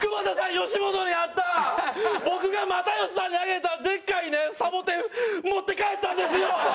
吉本で会ったら僕が又吉さんにあげたでっかいねサボテン持って帰ったんですよ！